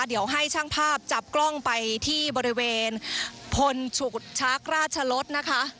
เดี๋ยวให้ช่างภาพจับกล้องไปที่บริเวณพลฉุกชักราชลดนะคะ